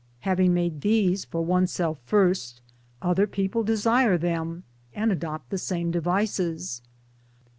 Having] made these for oneself first, other people desire them and adopt the same devices.